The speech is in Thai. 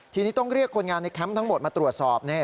ทีนี้ต้องเรียกคนงานในแคมป์ทั้งหมดมาตรวจสอบ